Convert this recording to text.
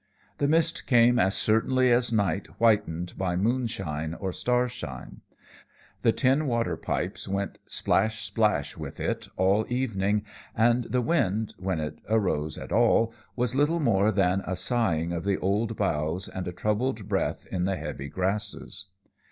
The mist came as certainly as night, whitened by moonshine or starshine. The tin water pipes went splash, splash, with it all evening, and the wind, when it rose at all, was little more than a sighing of the old boughs and a troubled breath in the heavy grasses.